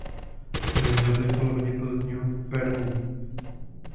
Vymřeli v polovině pozdního permu.